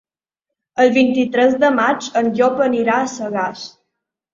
El vint-i-tres de maig en Llop anirà a Sagàs.